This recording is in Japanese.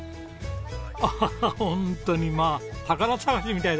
アハハホントにまあ宝探しみたいだねなんか。